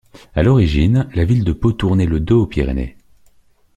À l'origine, la ville de Pau tournait le dos aux Pyrénées.